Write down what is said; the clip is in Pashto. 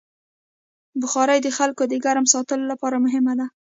بخاري د خلکو د ګرم ساتلو لپاره مهمه ده.